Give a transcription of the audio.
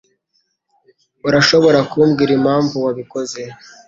Urashobora kumbwira impamvu wabikoze?